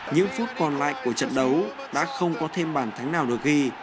những phút còn lại của trận đấu đã không có thêm bản thắng nào được ghi